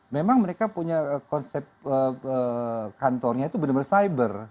memang mereka punya konsep kantornya itu benar benar cyber